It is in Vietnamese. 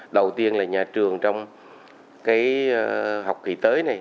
đầu tiên là nhà trường trong cái học kỳ tới này